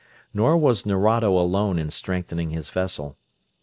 Nor was Nerado alone in strengthening his vessel.